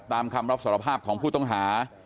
ตามคำรับสารภาพของผู้ต้องหา